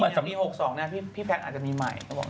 พี่พรุ่งปี๖๒พี่พรุ่งตอนเราก็พิพกษ์อาจจะมีใหม่